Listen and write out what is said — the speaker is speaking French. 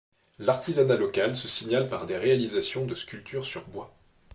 L'artisanat local se signale par des réalisations de sculptures sur bois.